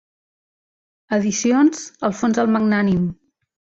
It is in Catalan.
Edicions Alfons el Magnànim.